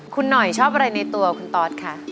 คุณหน่อยชอบอะไรในตัวคุณตอสคะ